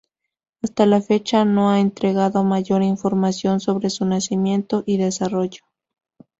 Hasta la fecha no ha entregado mayor información sobre su nacimiento y desarrollo.